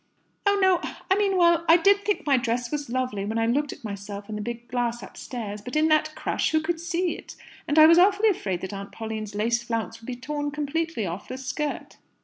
"Oh no! I mean well, I did think my dress was lovely when I looked at myself in the big glass upstairs; but in that crush who could see it? And I was awfully afraid that Aunt Pauline's lace flounce would be torn completely off the skirt."